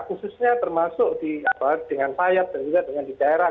khususnya termasuk dengan sayap dan juga dengan di daerah